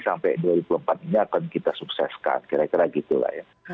sampai dua ribu empat ini akan kita sukseskan kira kira gitu lah ya